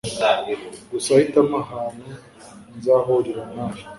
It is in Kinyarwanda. Gusa hitamo ahantu nzahurira nawe.